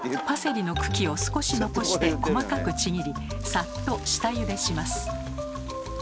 パセリの茎を少し残して細かくちぎりさっと下ゆでします。